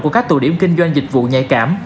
của các tụ điểm kinh doanh dịch vụ nhạy cảm